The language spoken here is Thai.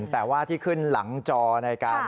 แต่ว่าที่ขึ้นหลังจอในการ